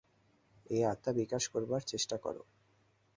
এই আত্মা বিকাশ করবার চেষ্টা কর্।